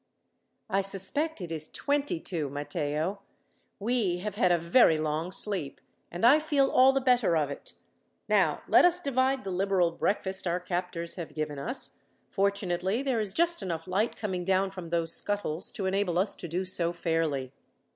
"I suspect it is twenty two, Matteo. We have had a very long sleep, and I feel all the better of it. Now, let us divide the liberal breakfast our captors have given us; fortunately there is just enough light coming down from those scuttles to enable us to do so fairly."